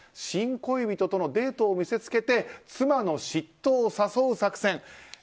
新恋人とのデートを見せつけて妻の嫉妬を誘う作戦。